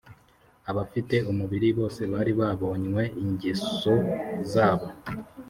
abafite umubiri bose bari bononnye ingeso zabo